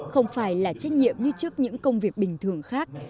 không phải là trách nhiệm như trước những công việc bình thường khác